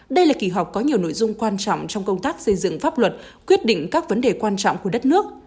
đây là kỳ họp có nhiều nội dung quan trọng trong công tác xây dựng pháp luật quyết định các vấn đề quan trọng của đất nước